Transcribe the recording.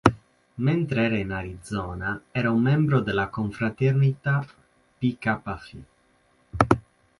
Mentre era in Arizona era un membro della confraternita Pi Kappa Phi.